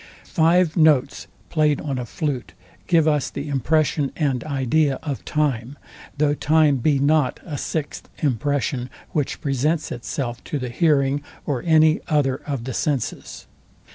Five notes played on a flute give us the impression and idea of time; though time be not a sixth impression, which presents itself to the hearing or any other of the senses.